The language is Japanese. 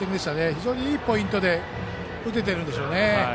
非常にいいポイントで打てているんでしょうね。